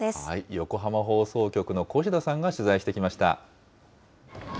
横浜放送局の越田さんが取材してきました。